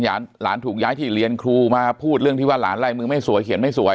หลานถูกย้ายที่เรียนครูมาพูดเรื่องที่ว่าหลานไล่มือไม่สวยเขียนไม่สวย